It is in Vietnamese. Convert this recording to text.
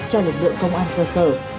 cho lực lượng công an cơ sở